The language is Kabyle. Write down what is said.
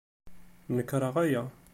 Nekṛeɣ aya.